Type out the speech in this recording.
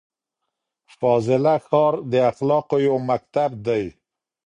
فاضله ښار د اخلاقو یو مکتب دی.